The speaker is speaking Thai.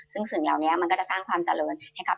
ซึ่งสิ่งเหล่านี้มันก็จะสร้างความเจริญให้กับ